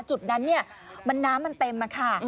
จุดนั้นน้ำมันเต็มค่ะ